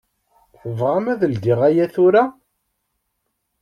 Tebɣam ad ldiɣ aya tura?